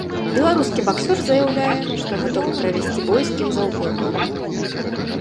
Беларускі баксёр заяўляе, што гатовы правесці бой з кім заўгодна.